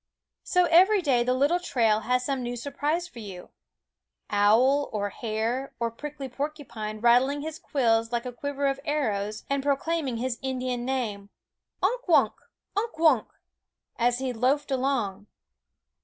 So every day the little trail had some new surprise for you, owl, or hare, or prickly porcupine rattling his quills like a quiver of arrows and proclaiming his Indian name, Unk wunk! Unk wunk ! as he loaf ed along.